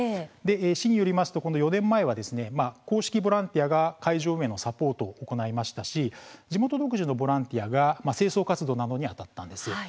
市によりますと、４年前は公式ボランティアが会場運営のサポートを行いましたし地元独自のボランティアが清掃活動などにあたったんです。